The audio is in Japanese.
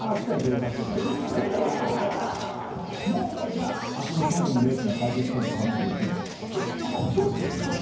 じゃああそこの倉庫の霊は解決したと考えてよろしいんでしょうか？